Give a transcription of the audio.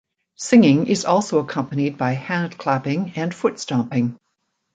Singing is also accompanied by hand clapping and foot-stomping.